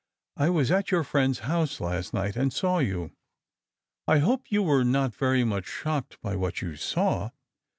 I was at your friend'a house last night, and saw you." " I hope you were not very much shocked by what you saw."